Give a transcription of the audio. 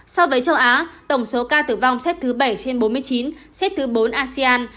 so với châu á tổng số ca tử vong xếp thứ bảy trên bốn mươi chín xếp thứ bốn asean